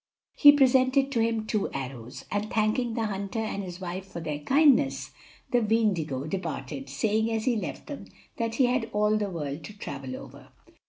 He presented to him two arrows, and thanking the hunter and his wife for their kindness, the Weendigo departed, saying, as he left them, that he had all the world to travel over.